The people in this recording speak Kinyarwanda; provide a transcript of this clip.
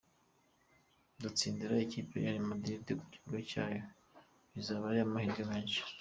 Gutsindira ikipe Real Madrid ku kibuga cyayo bizaba ari amahirwe menshi.